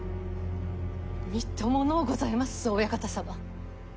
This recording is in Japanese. みっとものうございますぞお屋形様。